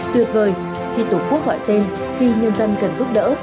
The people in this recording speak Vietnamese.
tuyệt vời khi tổ quốc gọi tên khi nhân dân cần giúp đỡ